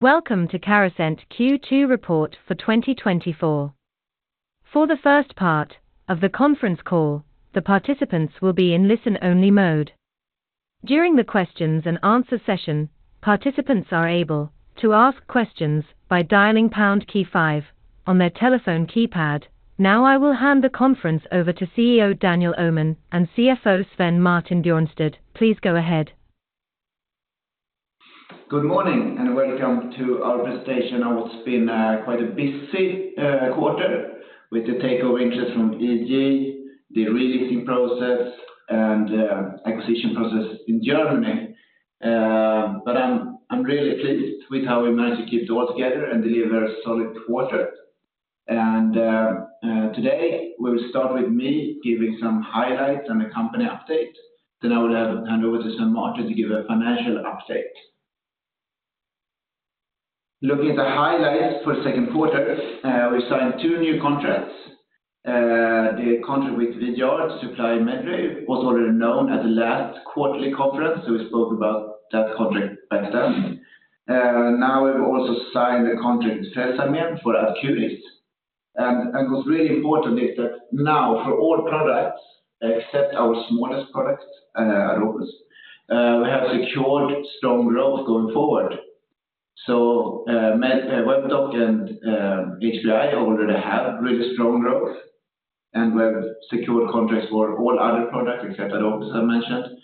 Welcome to Carasent Q2 Report for 2024. For the first part of the conference call, the participants will be in listen-only mode. During the questions and answers session, participants are able to ask questions by dialing pound key five on their telephone keypad. Now, I will hand the conference over to CEO Daniel Öhman and CFO Svein Martin Bjørnstad. Please go ahead. Good morning, and welcome to our presentation. Now, it's been quite a busy quarter with the takeover interest from EG A/S, the relisting process, and acquisition process in Germany. But I'm really pleased with how we managed to keep it all together and deliver a solid quarter. And today, we will start with me giving some highlights on the company update. Then I will hand over to Sven Martin to give a financial update. Looking at the highlights for the second quarter, we signed two new contracts. The contract with The Art of FUE in Madrid was already known at the last quarterly conference, so we spoke about that contract back then. Now we've also signed a contract with inaudible for Acuitis. And what's really important is that now for all products, except our smallest product, Adopus, we have secured strong growth going forward. So, Medrave and Webdoc and HPI already have really strong growth, and we've secured contracts for all other products, except Adopus I mentioned,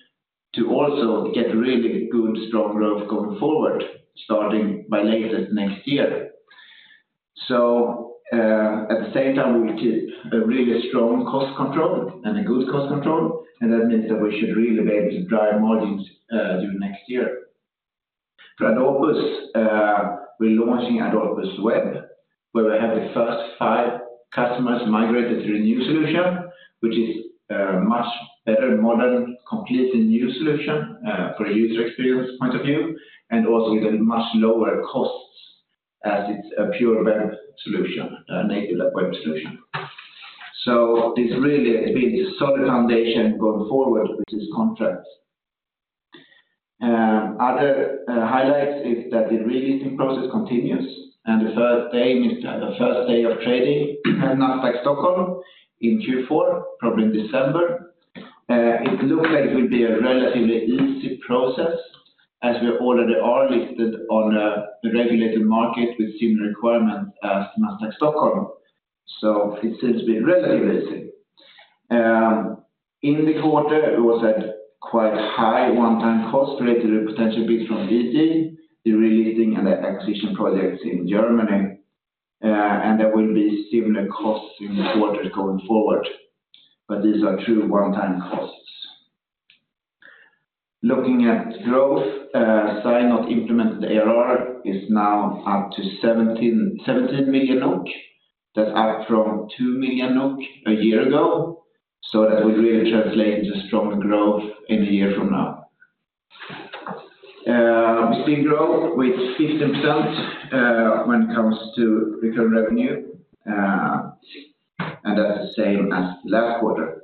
to also get really good, strong growth going forward, starting by latest next year. So, at the same time, we will keep a really strong cost control and a good cost control, and that means that we should really be able to drive margins during next year. For Adopus, we're launching Adopus Web, where we have the first five customers migrated to the new solution, which is a much better, modern, completely new solution, for a user experience point of view, and also with a much lower costs as it's a pure web solution, a native web solution. So it's really been a solid foundation going forward with this contract. Other highlights is that the relisting process continues, and the first day is the, the first day of trading at Nasdaq Stockholm in Q4, probably in December. It looks like it will be a relatively easy process as we already are listed on the regulated market with similar requirements as Nasdaq Stockholm, so it seems to be relatively easy. In the quarter, it was at quite high one-time cost related to potential bids from EG, the relisting and the acquisition projects in Germany. And there will be similar costs in the quarters going forward, but these are true one-time costs. Looking at growth, signed not implemented ARR is now up to 17.17 million NOK. That's up from 2 million NOK a year ago, so that will really translate into stronger growth in a year from now. We still grow with 15%, when it comes to recurring revenue, and that's the same as last quarter.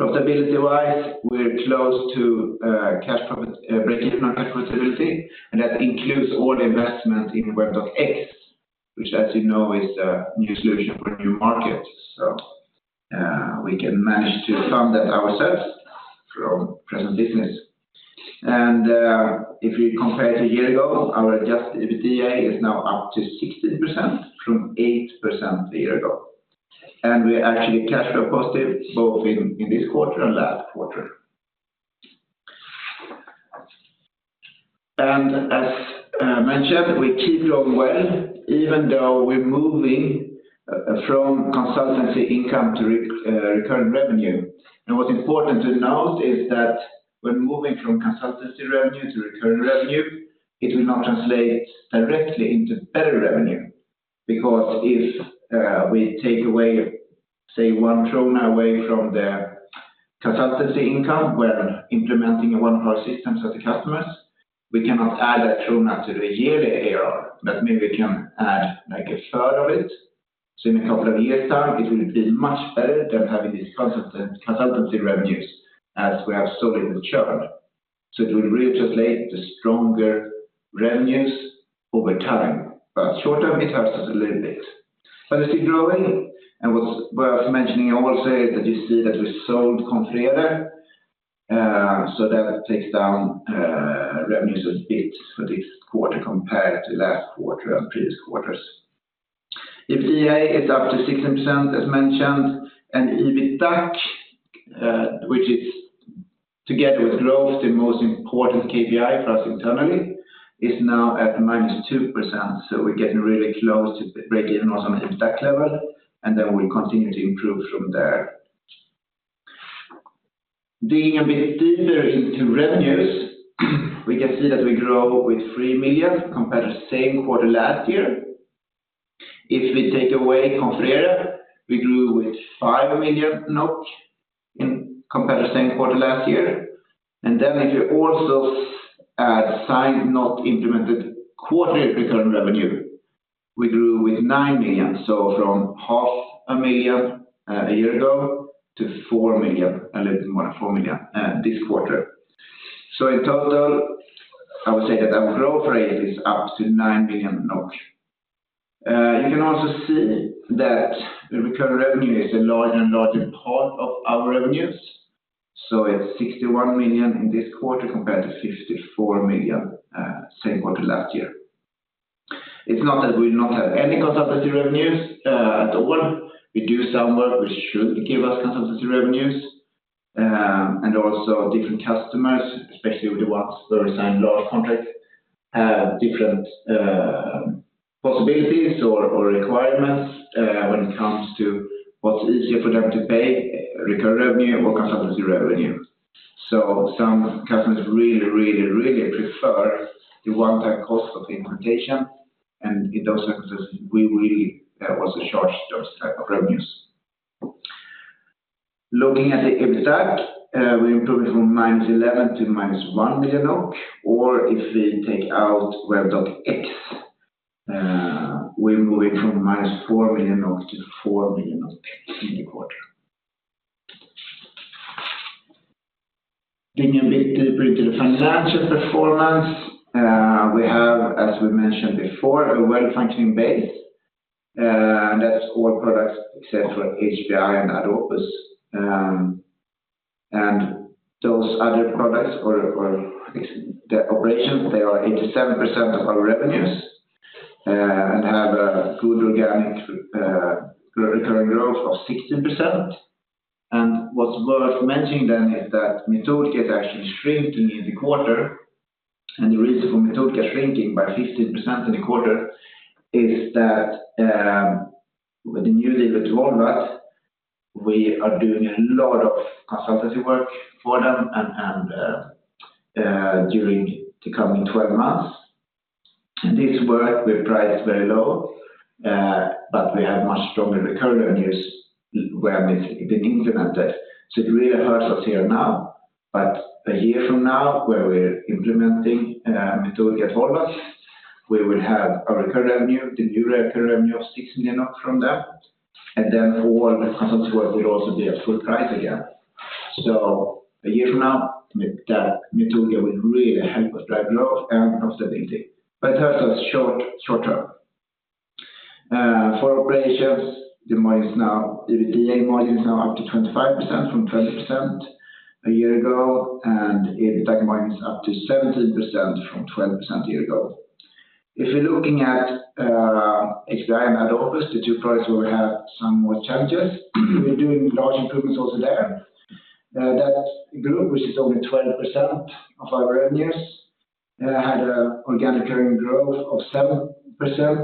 Profitability-wise, we're close to cash profit, breakeven on profitability, and that includes all the investment in Webdoc X, which, as you know, is a new solution for new markets. So, we can manage to fund that ourselves from present business. And, if you compare to a year ago, our adjusted EBITDA is now up to 16% from 8% a year ago. And we are actually cash flow positive, both in this quarter and last quarter. And as mentioned, we keep doing well, even though we're moving from consultancy income to recurring revenue. And what's important to note is that when moving from consultancy revenue to recurring revenue, it will not translate directly into better revenue. Because if we take away, say, 1 away from the consultancy income, we're implementing a one-hour system for the customers, we cannot add a krona to the yearly ARR, but maybe we can add, like, a third of it. So in a couple of years' time, it will be much better than having these consultancy revenues, as we have solid churn. So it will really translate to stronger revenues over time, but short term, it helps us a little bit. But we're still growing, and what worth mentioning also is that you see that we sold Confrere, so that takes down revenues a bit for this quarter compared to last quarter and previous quarters. EBITDA is up to 16%, as mentioned, and EBITDA, which is together with growth, the most important KPI for us internally, is now at -2%. So we're getting really close to breaking even on an EBITDA level, and then we'll continue to improve from there. Digging a bit deeper into revenues, we can see that we grow with 3 million compared to same quarter last year. If we take away Confrere, we grew with 5 million compared to same quarter last year. Then if you also add signed not implemented quarter recurring revenue, we grew with 9 million, so from 0.5 million a year ago to 4 million, a little more than 4 million this quarter. So in total, I would say that our growth rate is up to 9 million NOK. You can also see that the recurring revenue is a larger and larger part of our revenues. So it's 61 million in this quarter compared to 54 million same quarter last year. It's not that we not have any consultancy revenues at all. We do some work which should give us consultancy revenues, and also different customers, especially with the ones where we sign large contracts, have different possibilities or requirements when it comes to what's easier for them to pay, recurring revenue or consultancy revenue. So some customers really, really, really prefer the one-time cost of the implementation, and in those cases, we really also charge those type of revenues. Looking at the EBITDA, we improved it from -11 million to -1 million, or if we take out Webdoc X, we're moving from -4 million to 4 million in the quarter. Digging a bit deeper into the financial performance, we have, as we mentioned before, a well-functioning base, and that's all products except for HPI and Adopus. And those other products or ex- the operations, they are 87% of our revenues, and have a good organic recurring growth of 16%. What's worth mentioning then is that Metodika is actually shrinking in the quarter, and the reason for Metodika shrinking by 15% in the quarter is that, with the new deal with Volvo, we are doing a lot of consultancy work for them and during the coming 12 months. This work, we price very low, but we have much stronger recurring revenues when it's been implemented. So it really hurts us here now, but a year from now, where we're implementing Metodika at Volvo, we will have our recurring revenue, the new recurring revenue of 6 million NOK from them, and then all the consultancy work will also be at full price again. So a year from now, that Metodika will really help us drive growth and profitability, but it hurts us short term. For operations, the margin is now EBITDA margin is now up to 25% from 20% a year ago, and EBITDA margin is up to 17% from 12% a year ago. If you're looking at HPI and Adopus, the two products where we have some more challenges, we're doing large improvements also there. That group, which is only 12% of our revenues, had an organic recurring growth of 7%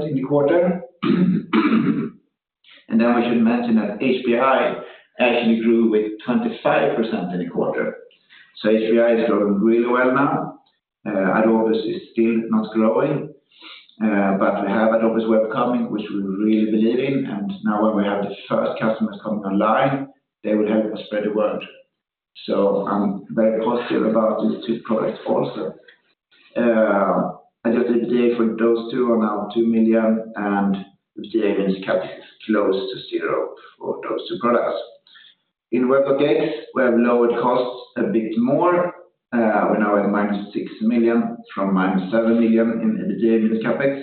in the quarter. And then we should mention that HPI actually grew with 25% in the quarter. So HPI is growing really well now. Adopus is still not growing, but we have Adopus Web coming, which we really believe in, and now when we have the first customers coming online, they will help us spread the word. So I'm very positive about these two products also. Adjusted EBITDA for those two are now 2 million, and EBITDA and CapEx close to zero for those two products. In Webdoc X, we have lowered costs a bit more. We're now at -6 million from -7 million in EBITDA and CapEx.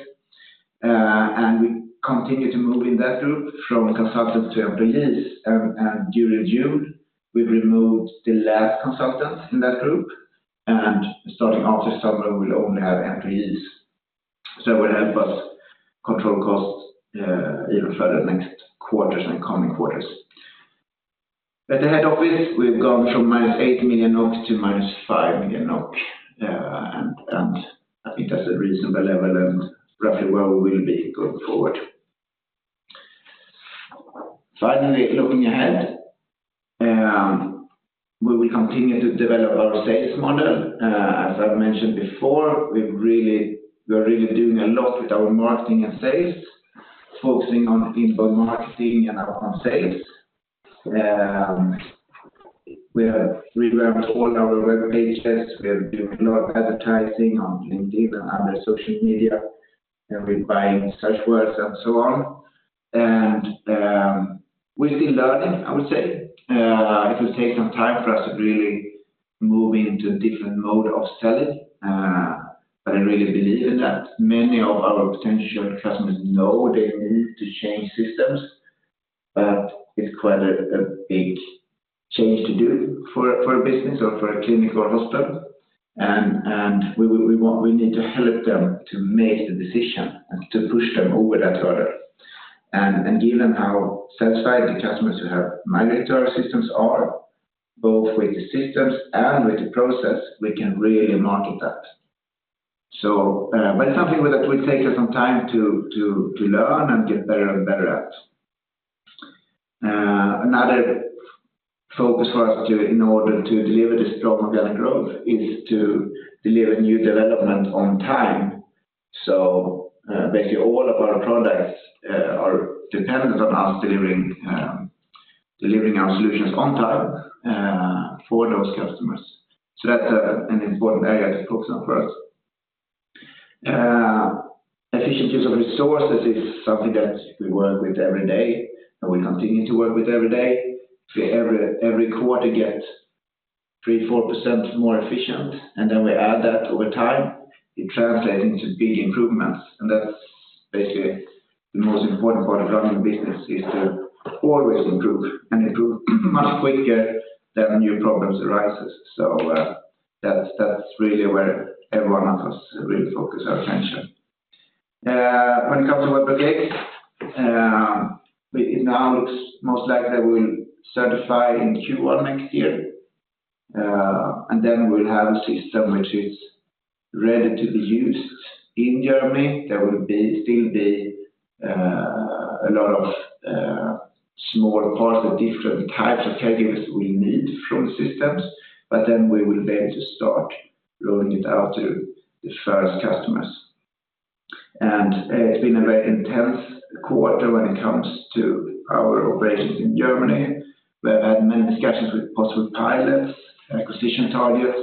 And we continue to move in that group from consultants to employees. And during June, we've removed the last consultants in that group, and starting after summer, we'll only have employees. So it will help us control costs even further next quarters and coming quarters. At the head office, we've gone from -8 million to -5 million, and I think that's a reasonable level and roughly where we will be going forward. Finally, looking ahead, we will continue to develop our sales model. As I've mentioned before, we are really doing a lot with our marketing and sales, focusing on inbound marketing and outbound sales. We have revamped all our web pages. We're doing a lot of advertising on LinkedIn and other social media, and we're buying search words and so on. We're still learning, I would say. It will take some time for us to really move into a different mode of selling, but I really believe in that. Many of our potential customers know they need to change systems, but it's quite a big change to do for a business or for a clinical hospital. We need to help them to make the decision and to push them over that hurdle. Given how satisfied the customers who have migrated to our systems are, both with the systems and with the process, we can really market that. But it's something that will take us some time to learn and get better and better at. Another focus for us, in order to deliver the strong organic growth, is to deliver new development on time. Basically, all of our products are dependent on us delivering our solutions on time for those customers. That's an important area to focus on first. Efficiencies of resources is something that we work with every day, and we're continuing to work with every day. If every quarter gets 3%-4% more efficient, and then we add that over time, it translates into big improvements, and that's basically the most important part of running business, is to always improve and improve much quicker than new problems arise. So, that's really where everyone of us really focus our attention. When it comes to Webdoc X, it now looks most likely we'll certify in Q1 next year. And then we'll have a system which is ready to be used in Germany. There will still be a lot of small parts of different types of caregivers we need from the systems, but then we will be able to start rolling it out to the first customers. And, it's been a very intense quarter when it comes to our operations in Germany. We've had many discussions with possible pilots, acquisition targets,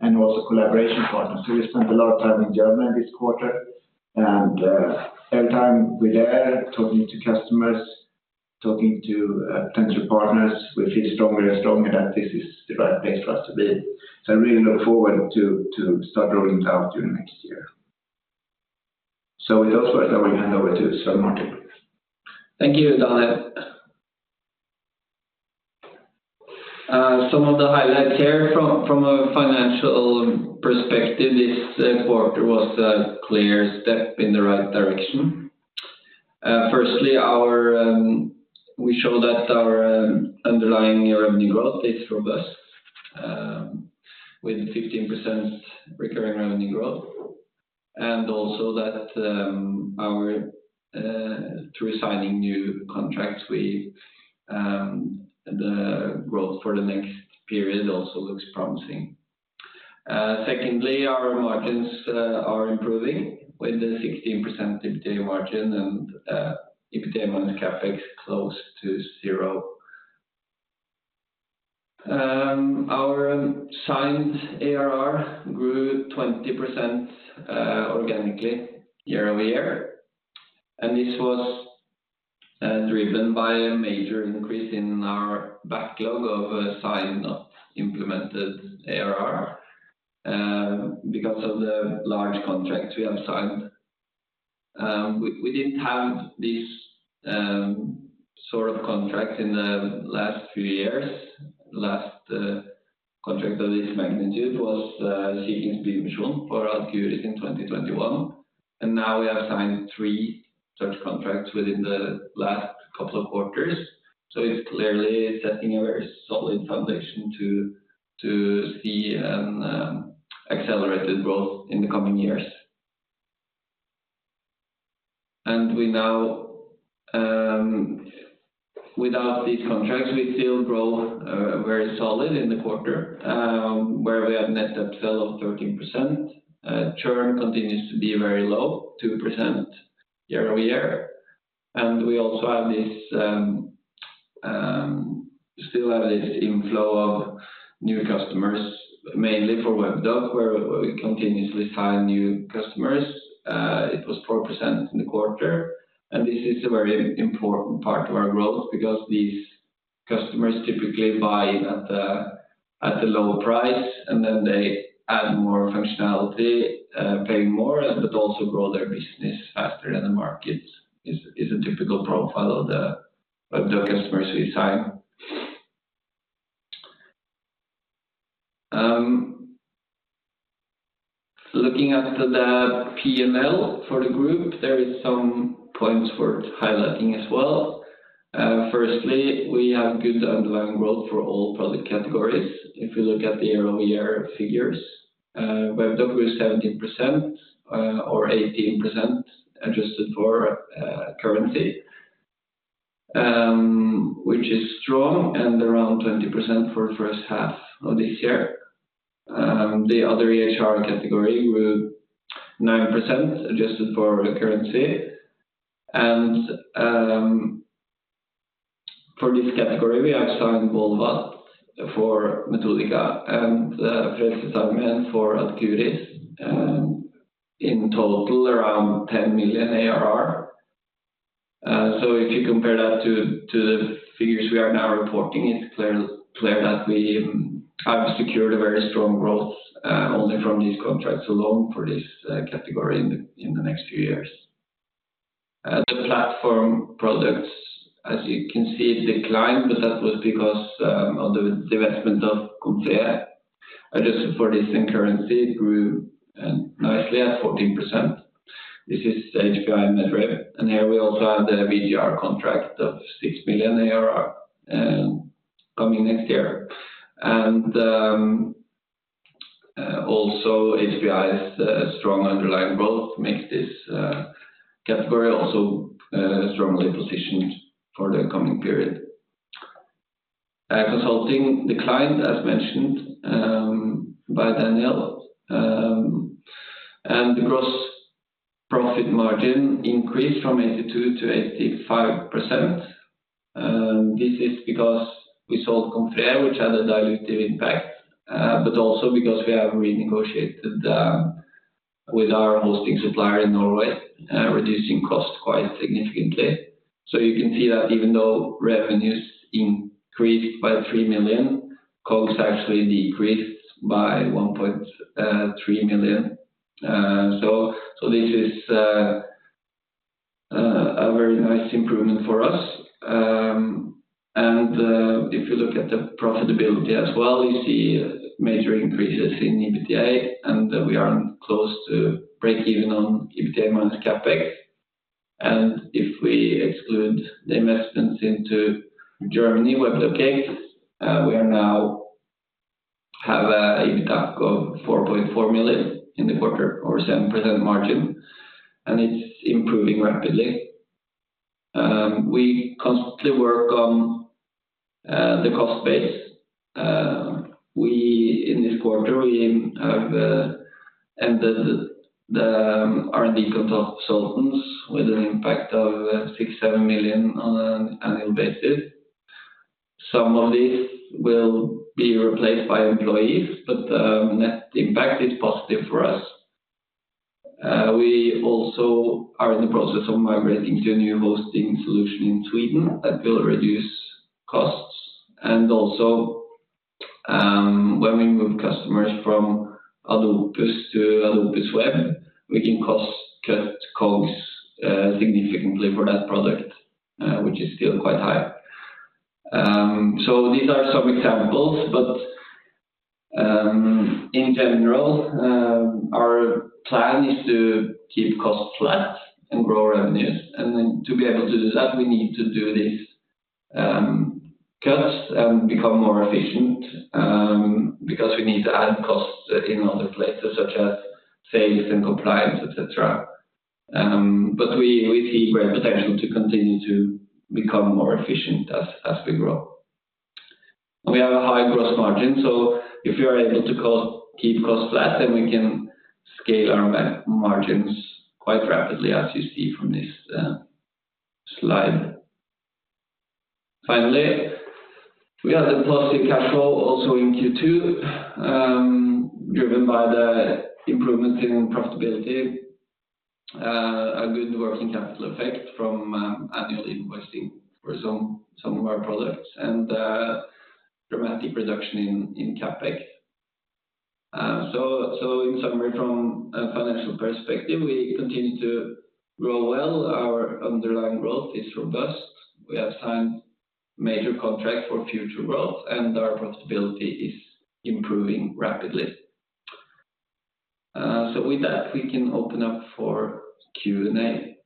and also collaboration partners. So we spent a lot of time in Germany this quarter, and every time we're there talking to customers, talking to potential partners, we feel stronger and stronger that this is the right place for us to be. So I really look forward to to start rolling it out during next year. So with those words, I will hand over to Sven Martin Bjørnstad. Thank you, Daniel. Some of the highlights here from a financial perspective, this quarter was a clear step in the right direction. Firstly, we show that our underlying year revenue growth is robust, with 15% recurring revenue growth, and also that through signing new contracts, we the growth for the next period also looks promising. Secondly, our margins are improving with the 16% EBITDA margin and EBITDA minus CapEx close to zero. Our signed ARR grew 20%, organically year-over-year, and this was driven by a major increase in our backlog of signed, not implemented ARR, because of the large contracts we have signed. We didn't have these sort of contracts in the last few years. Last contract of this magnitude was Siemens image management for Aleris in 2021, and now we have signed 3 such contracts within the last couple of quarters. So it's clearly setting a very solid foundation to see accelerated growth in the coming years. And we now, without these contracts, we still grow very solid in the quarter, where we have net upsell of 13%. Churn continues to be very low, 2% year-over-year. And we also have this, still have this inflow of new customers, mainly for Webdoc, where we continuously sign new customers. It was 4% in the quarter, and this is a very important part of our growth because these customers typically buy at the lower price, and then they add more functionality, paying more, and it also grow their business faster than the market is a typical profile of the Webdoc customers we sign. Looking after the P&L for the group, there is some points worth highlighting as well. Firstly, we have good underlying growth for all product categories. If you look at the year-over-year figures, Webdoc is 17%, or 18%, adjusted for currency, which is strong and around 20% for the first half of this year. The other EHR category grew 9%, adjusted for currency. For this category, we have signed Volvo for Metodika and Frederiksberg for Aleris, in total, around 10 million ARR. So if you compare that to the figures we are now reporting, it's clear that we have secured a very strong growth, only from these contracts alone for this category in the next few years. The platform products, as you can see, declined, but that was because of the divestment of Confrere. Adjusted for this in currency, it grew nicely at 14%. This is HPI and Medrave, and here we also have the VGR contract of 6 million ARR, coming next year. Also, HPI's strong underlying growth makes this category also strongly positioned for the coming period. Consulting declined, as mentioned, by Daniel, and because-... Profit margin increased from 82% to 85%. This is because we sold, [inaudible] which had a dilutive impact, but also because we have renegotiated with our hosting supplier in Norway, reducing costs quite significantly. So you can see that even though revenues increased by 3 million, costs actually decreased by 1.3 million. So this is a very nice improvement for us. And if you look at the profitability as well, you see major increases in EBITDA, and we are close to breakeven on EBITDA minus CapEx. And if we exclude the investments into Germany, Webdoc X, we now have an EBITDA of 4.4 million in the quarter, or 7% margin, and it's improving rapidly. We constantly work on the cost base. In this quarter, we have ended the R&D consultants with an impact of 6-7 million on an annual basis. Some of this will be replaced by employees, but net impact is positive for us. We also are in the process of migrating to a new hosting solution in Sweden that will reduce costs. And also, when we move customers from Adopus to Adopus Web, we can cut costs significantly for that product, which is still quite high. So these are some examples, but in general, our plan is to keep costs flat and grow revenues. And then to be able to do that, we need to do these cuts and become more efficient, because we need to add costs in other places, such as sales and compliance, etc. But we see great potential to continue to become more efficient as we grow. We have a high gross margin, so if we are able to keep costs flat, then we can scale our margins quite rapidly, as you see from this slide. Finally, we have the positive cash flow also in Q2, driven by the improvement in profitability, a good working capital effect from annual invoicing for some of our products, and dramatic reduction in CapEx. So in summary, from a financial perspective, we continue to grow well. Our underlying growth is robust. We have signed major contracts for future growth, and our profitability is improving rapidly. So with that, we can open up for Q&A.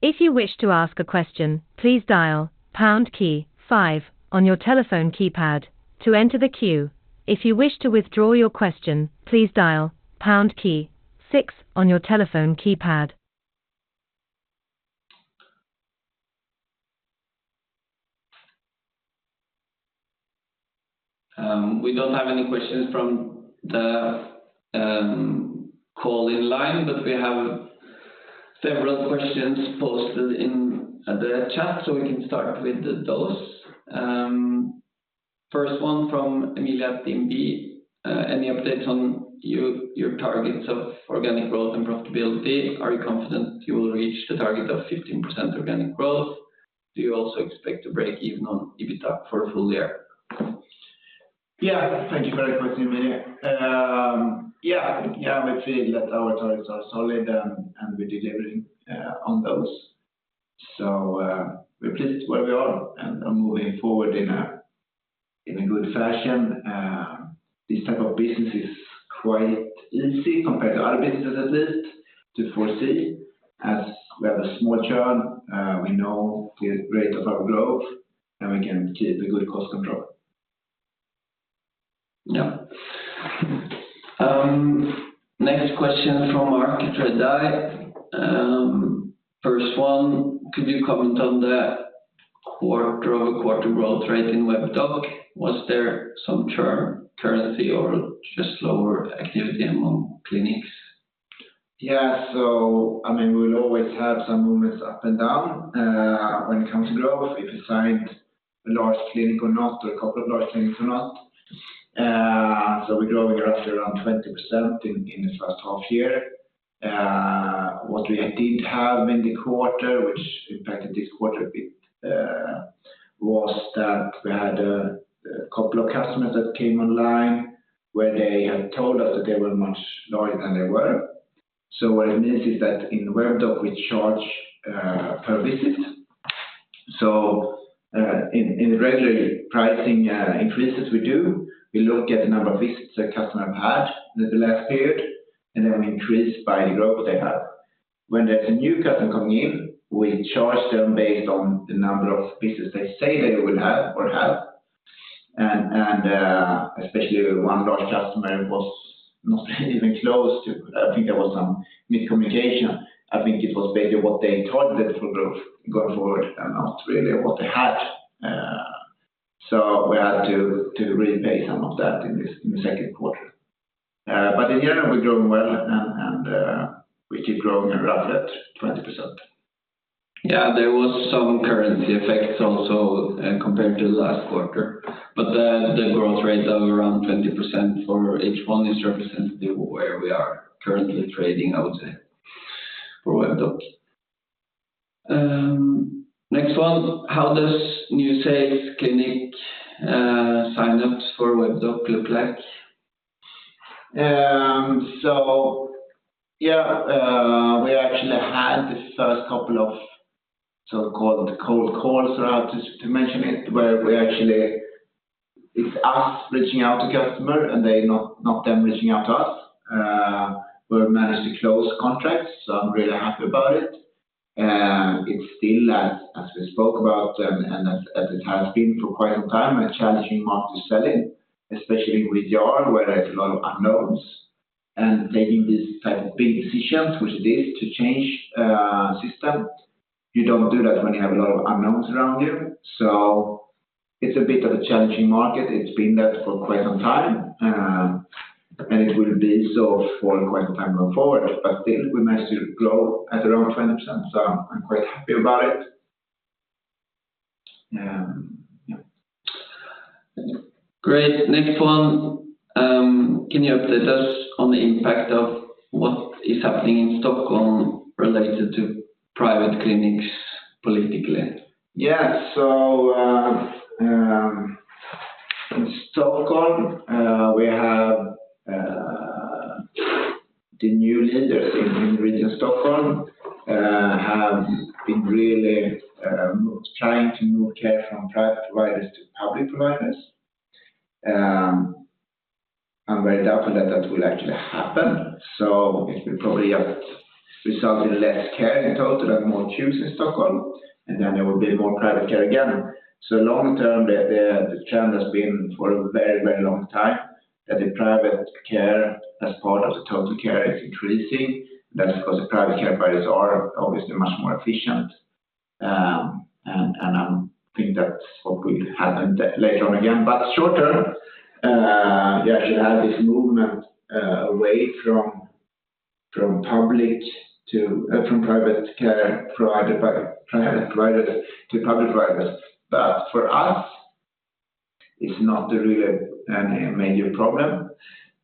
If you wish to ask a question, please dial pound key five on your telephone keypad to enter the queue. If you wish to withdraw your question, please dial pound key six on your telephone keypad. We don't have any questions from the call in line, but we have several questions posted in the chat, so we can start with those. First one from Emilia at inaudible, "Any updates on your targets of organic growth and profitability? Are you confident you will reach the target of 15% organic growth? Do you also expect to break even on EBITDA for a full year? Yeah, thank you for that question, Emilia. Yeah, yeah, we feel that our targets are solid and, and we're delivering on those. So, we're pleased where we are and are moving forward in a, in a good fashion. This type of business is quite easy compared to other businesses at least, to foresee, as we have a small churn, we know the rate of our growth, and we can keep a good cost control. Yeah. Next question from Mark at Redeye. First one: "Could you comment on the quarter-over-quarter growth rate in Webdoc? Was there some currency or just lower activity among clinics? Yeah. So, I mean, we'll always have some movements up and down, when it comes to growth, if you sign a large clinic or not, or a couple of large clinics or not. So we're growing roughly around 20% in this last half year. What we did have in the quarter, which impacted this quarter a bit, was that we had a couple of customers that came online, where they had told us that they were much larger than they were. So what it means is that in Webdoc, we charge per visit. So, in the regular pricing increases we do, we look at the number of visits a customer have had in the last period, and then we increase by the growth they have. When there's a new customer coming in, we charge them based on the number of visits they say they will have or have. Especially one large customer was not even close to, I think there was some miscommunication. I think it was basically what they thought the full growth going forward, and not really what they had. So we had to repay some of that in the second quarter. But in general, we're growing well, and we keep growing around that 20%. Yeah, there was some currency effects also, compared to last quarter, but the growth rate of around 20% for H1 is representative of where we are currently trading, I would say, for Webdoc. Next one, how does new safe clinic signups for Webdoc look like? So yeah, we actually had the first couple of so-called cold calls, to mention it, where we actually, it's us reaching out to customer and they not, not them reaching out to us, we managed to close contracts, so I'm really happy about it. It's still, as we spoke about, and as it has been for quite some time, a challenging market to sell in, especially with VGR, where there's a lot of unknowns and taking these type of big decisions, which is to change system. You don't do that when you have a lot of unknowns around you. So it's a bit of a challenging market. It's been that for quite some time, and it will be so for quite some time going forward, but still we manage to grow at around 20%, so I'm quite happy about it. Yeah. Great. Next one, can you update us on the impact of what is happening in Stockholm related to private clinics politically? Yeah. So, in Stockholm, we have the new leaders in Region Stockholm have been really trying to move care from private providers to public providers. I'm very doubtful that that will actually happen. So it will probably result in less care in total and more queues in Stockholm, and then there will be more private care again. So long term, the trend has been for a very, very long time that the private care as part of the total care is increasing. That's because the private care providers are obviously much more efficient. And I think that's what will happen later on, again. But short term, we actually have this movement away from private care provided by private providers to public providers. But for us, it's not really a major problem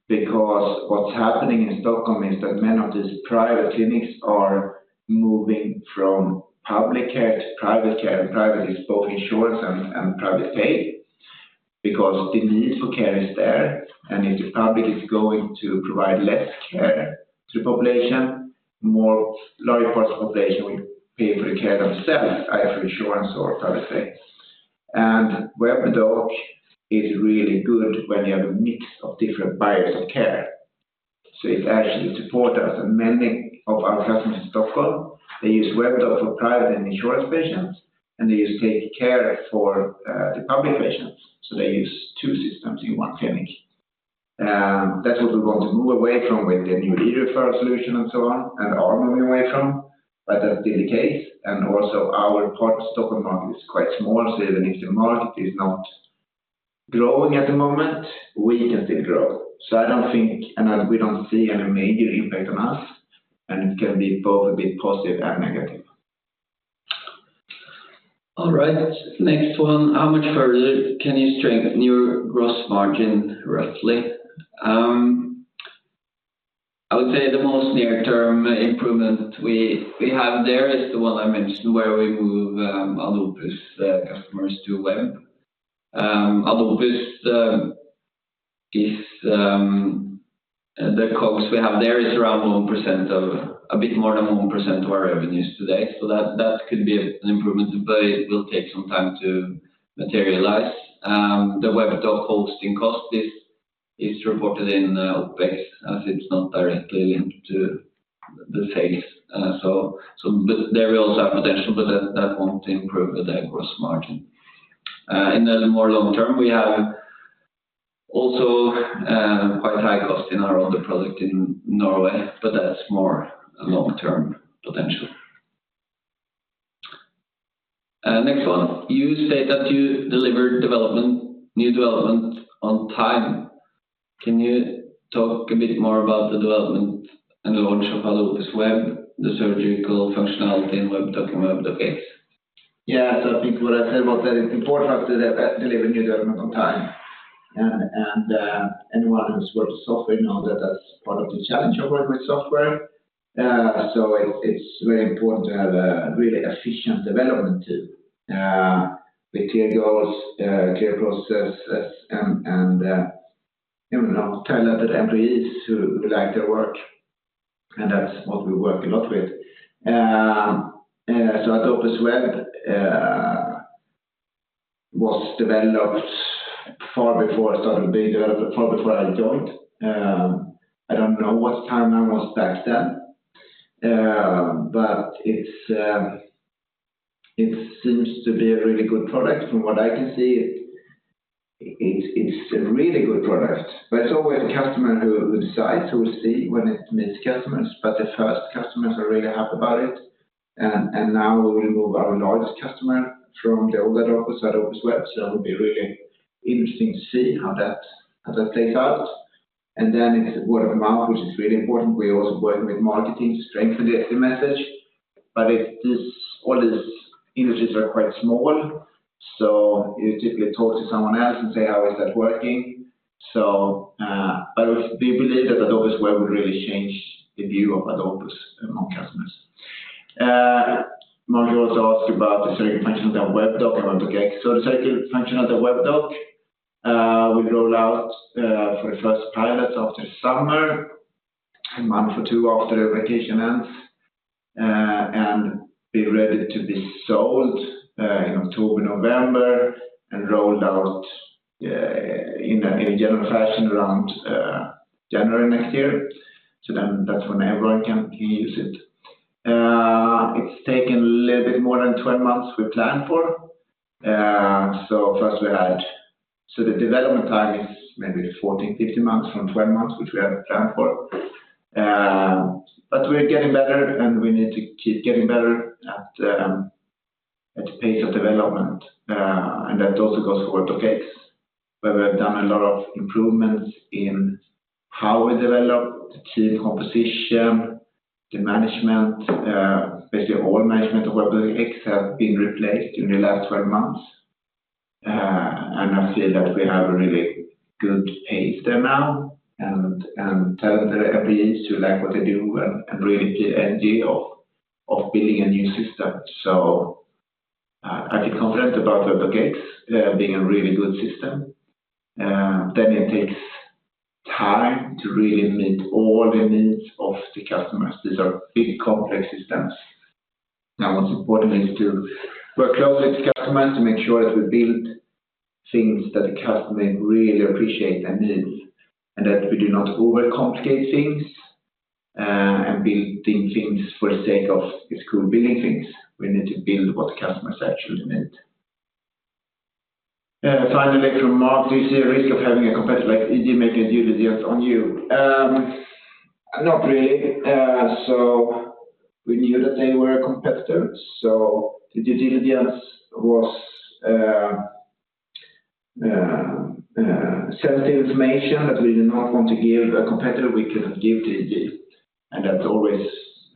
because what's happening in Stockholm is that many of these private clinics are moving from public care to private care, and private is both insurance and private pay, because the need for care is there. And if the public is going to provide less care to the population, more larger parts of the population will pay for the care themselves, either insurance or private pay. And Webdoc is really good when you have a mix of different buyers of care. So it actually supports us and many of our customers in Stockholm; they use Webdoc for private and insurance patients, and they use TakeCare for the public patients. So they use two systems in one clinic. That's what we want to move away from with the new eReferral solution and so on, and are moving away from. But that's been the case, and also our part, Stockholm market is quite small, so even if the market is not growing at the moment, we can still grow. So I don't think, and we don't see any major impact on us, and it can be both a bit positive and negative. All right, next one. How much further can you strengthen your gross margin, roughly? I would say the most near-term improvement we have there is the one I mentioned where we move Adopus customers to Webdoc. Adopus, the costs we have there is around 1% of a bit more than 1% of our revenues today. So that could be an improvement, but it will take some time to materialize. The Webdoc hosting cost is reported in OpEx, as it's not directly linked to the sales. So but there we also have potential, but that won't improve the gross margin. In the more long term, we have also quite high cost in our other product in Norway, but that's more a long-term potential. Next one. You said that you delivered development, new development on time. Can you talk a bit more about the development and the launch of Adopus Web, the surgical functionality in Webdoc and Webdoc X? Yeah, so I think what I said about that, it's important to deliver new development on time. Anyone who's worked in software know that that's part of the challenge of working with software. So it's very important to have a really efficient development team with clear goals, clear processes, and you know, talented employees who like their work, and that's what we work a lot with. So Adopus Web was developed far before it started being developed, far before I joined. I don't know what timeline was back then, but it seems to be a really good product from what I can see. It's a really good product, but it's always the customer who decides who will see when it meets customers, but the first customers are really happy about it. And now we remove our largest customer from the old Adopus site, Adopus Web, so it will be really interesting to see how that plays out. And then it's word of mouth, which is really important. We're also working with marketing to strengthen the message, but it is all these industries are quite small, so you typically talk to someone else and say, "How is that working?" So, but we believe that Adopus Web will really change the view of Adopus among customers. Marty also asked about the certain function of the Webdoc, so the certain function of the Webdoc, we roll out for the first pilots after summer, a month or two after the vacation ends, and be ready to be sold in October, November, and rolled out in a general fashion around January next year. So then that's when everyone can use it. It's taken a little bit more than 12 months we planned for. So the development time is maybe 14, 15 months from 12 months, which we had planned for. But we're getting better, and we need to keep getting better at pace of development. And that also goes for Webdoc X, where we've done a lot of improvements in how we develop the team composition, the management, basically all management of Webdoc X have been replaced in the last 12 months. And I feel that we have a really good pace there now, and talented employees who like what they do and really the energy of building a new system. So, I feel confident about Webdoc X being a really good system. Then it takes time to really meet all the needs of the customers. These are big, complex systems. Now, what's important is to work closely with customers to make sure that we build things that the customer really appreciate and need, and that we do not overcomplicate things, and building things for the sake of it's cool building things. We need to build what customers actually need. Finally, from Mark, do you see a risk of having a competitor like they make a due diligence on you? Not really. So we knew that they were a competitor, so the due diligence was sensitive information that we did not want to give a competitor, we couldn't give to it. And that's always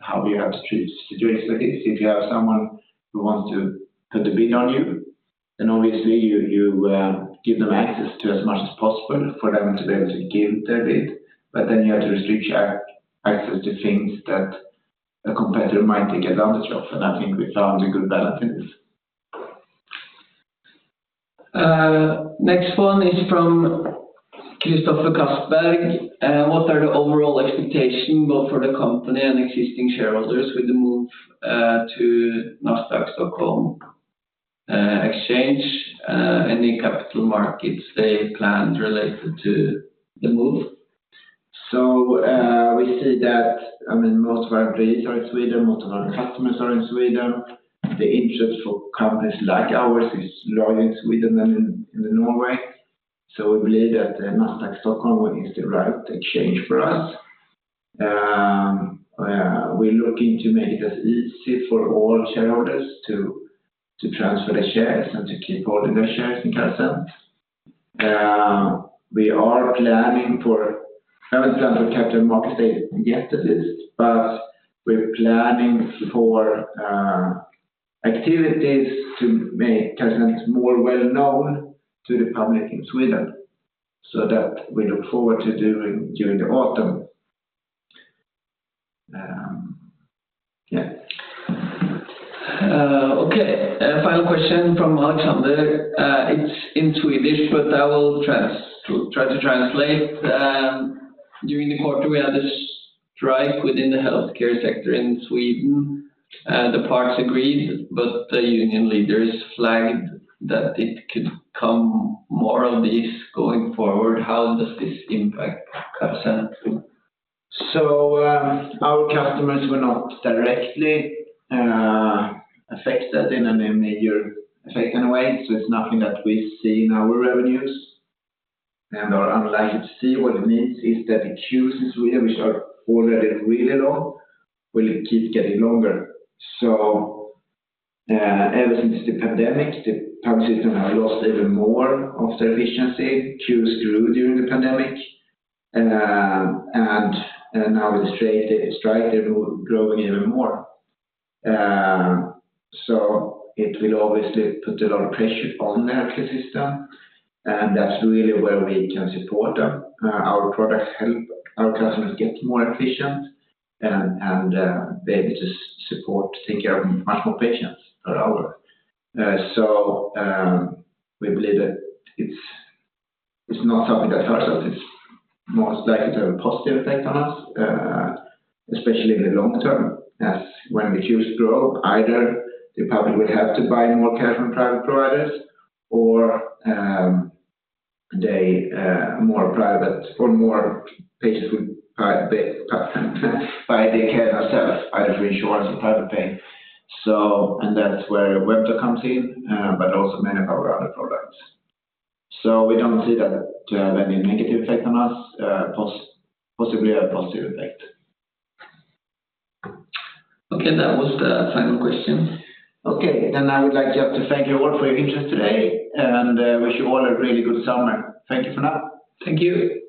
how we have to situations like this. If you have someone who wants to put a bid on you, then obviously you give them access to as much as possible for them to be able to give their bid, but then you have to restrict your access to things that a competitor might take advantage of, and I think we found a good balance. Next one is from Christoffer Castberg. What are the overall expectation both for the company and existing shareholders with the move to Nasdaq Stockholm exchange, any capital markets they planned related to the move? So, we see that, I mean, most of our employees are in Sweden, most of our customers are in Sweden. The interest for companies like ours is large in Sweden than in Norway, so we believe that Nasdaq Stockholm is the right exchange for us. We're looking to make it as easy for all shareholders to transfer their shares and to keep holding their shares in Carasent. We are planning for haven't planned for capital market yet at least, but we're planning for activities to make Carasent more well known to the public in Sweden, so that we look forward to doing during the autumn. Okay, final question from Alexander. It's in Swedish, but I will try to translate. During the quarter, we had a strike within the healthcare sector in Sweden, and the parties agreed, but the union leaders flagged that it could come more of these going forward. How does this impact Carasent? So, our customers were not directly affected in a major way, so it's nothing that we see in our revenues and are unlikely to see. What it means is that the queues in Sweden, which are already really long, will keep getting longer. So, ever since the pandemic, the public system have lost even more of their efficiency. Queues grew during the pandemic, and now with the strike, they're growing even more. So it will obviously put a lot of pressure on the system, and that's really where we can support them. Our products help our customers get more efficient and be able to support, take care of much more patients per hour. So we believe that it's not something that hurts us. It's most likely to have a positive effect on us, especially in the long term, as when the queues grow, either the public will have to buy more care from private providers or they, more private or more patients will buy the care themselves, either through insurance or private pay. So and that's where Webdoc comes in, but also many of our other products. So we don't see that to have any negative effect on us, possibly a positive effect. Okay, that was the final question. Okay. And I would like just to thank you all for your interest today, and wish you all a really good summer. Thank you for that. Thank you.